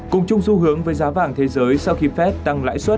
cùng chung xu hướng với giá vàng thế giới sau khi fed tăng lãi suất